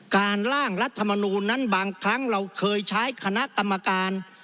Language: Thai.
ร่างรัฐมนูลนั้นบางครั้งเราเคยใช้คณะกรรมการ